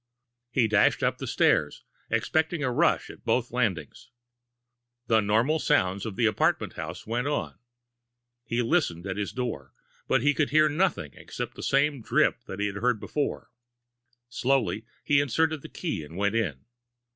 He dashed up the stairs, expecting a rush at both landings. The normal sounds of the apartment house went on. He listened at his door, but he could hear nothing except the same drip he had heard before. Slowly, he inserted the key and went in.